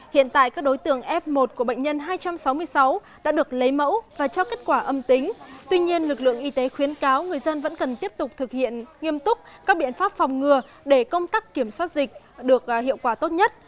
hiện tại các đối tượng f một của bệnh nhân hai trăm sáu mươi sáu đã được lấy mẫu và cho kết quả âm tính tuy nhiên lực lượng y tế khuyến cáo người dân vẫn cần tiếp tục thực hiện nghiêm túc các biện pháp phòng ngừa để công tác kiểm soát dịch được hiệu quả tốt nhất